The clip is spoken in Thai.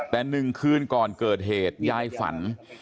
แต่๑คืนก่อนเกิดเหตุยายฝัน